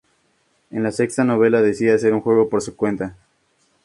En la sexta novela decide hacer un juego por su cuenta.